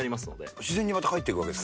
自然にまた返っていくわけですね。